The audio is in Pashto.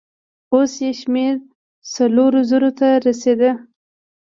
اوس يې شمېر څلورو زرو ته رسېده.